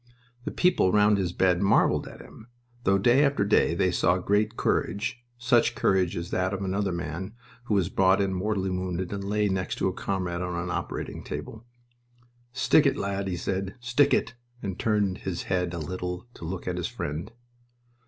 The people round his bed marveled at him, though day after day they saw great courage; such courage as that of another man who was brought in mortally wounded and lay next to a comrade on the operating table. "Stick it, lad!" he said, "stick it!" and turned his head a little to look at his friend.